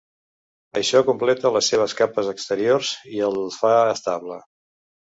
Això completa les seves capes exteriors i el fa estable.